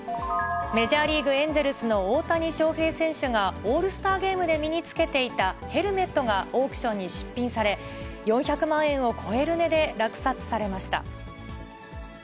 メジャーリーグ・エンゼルスの大谷翔平選手が、オールスターゲームで身につけていたヘルメットがオークションに出品され、４００万円を超える値で落札されました。